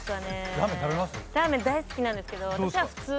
ラーメン大好きなんですけど私は普通なんですよ。